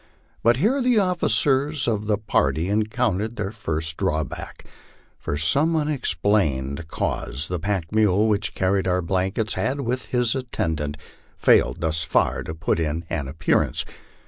But here the officers of the party en countered their first drawback. From some unexplained cause the pack mule which carried our blankets had with his attendant failed thus fur to put in an appearance.